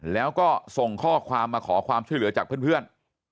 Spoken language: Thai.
แล้วก็ส่งข้อความมาขอความช่วยเหลือจากเพื่อน